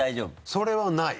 それはない！